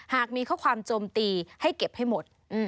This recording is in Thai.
หากมีข้อความโจมตีให้เก็บให้หมด